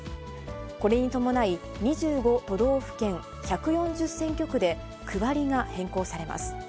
これに伴い、２５都道府県１４０選挙区で、区割りが変更されます。